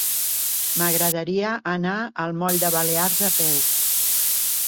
M'agradaria anar al moll de Balears a peu.